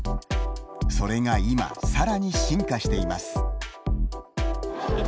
それが今更に進化しています。